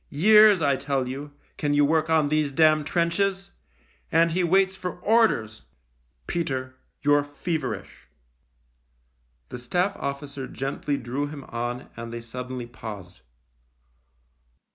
" Years, I tell you, can you work on these d trenches : and he waits for orders !"" Peter, you're feverish." The Staff officer gently drew him on and they suddenly paused.